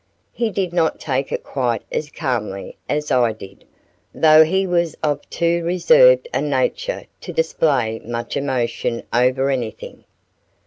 He did not take it quite as calmly as I did, though he was of too reserved a nature to display much emotion over anything.